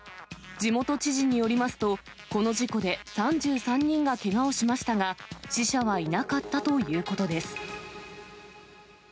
地元知事によりますと、この事故で３３人がけがをしましたが、死者はいなかったということです。